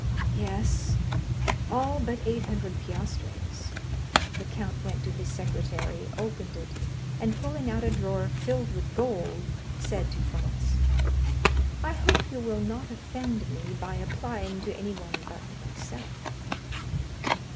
"Yes, all but eight hundred piastres." The count went to his secrétaire, opened it, and pulling out a drawer filled with gold, said to Franz, "I hope you will not offend me by applying to anyone but myself."